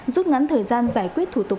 rút ngắn thời gian giải quyết thủ tục